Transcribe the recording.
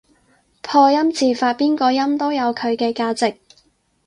破音字發邊個音都有佢嘅價值